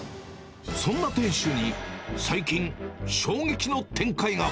そんな店主に、最近、衝撃の展開が。